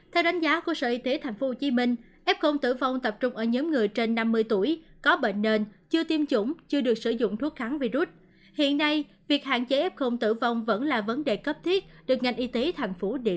theo đánh giá của sở y tế thành phố hồ chí minh ép không tử vong tập trung ở nhóm người trên năm mươi tuổi có bệnh nền chưa tiêm chủng chưa được sử dụng thuốc kháng virus hiện nay việc hạn chế ép không tử vong vẫn là vấn đề cấp thiết được ngành y tế thành phố đề ra